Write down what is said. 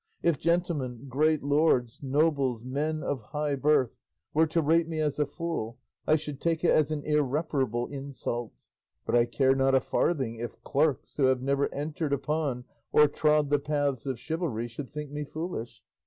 If gentlemen, great lords, nobles, men of high birth, were to rate me as a fool I should take it as an irreparable insult; but I care not a farthing if clerks who have never entered upon or trod the paths of chivalry should think me foolish.